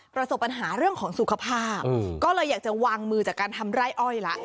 ประสบปัญหาเรื่องของสุขภาพก็เลยอยากจะวางมือจากการทำไร่อ้อยละ